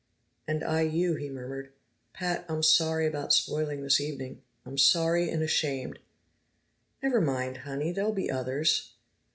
"And I you," he murmured. "Pat, I'm sorry about spoiling this evening. I'm sorry and ashamed." "Never mind, Honey. There'll be others."